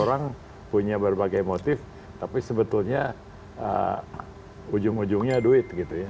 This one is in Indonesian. orang punya berbagai motif tapi sebetulnya ujung ujungnya duit